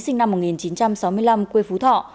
sinh năm một nghìn chín trăm sáu mươi năm quê phú thọ